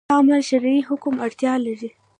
دا عمل شرعي حکم اړتیا لري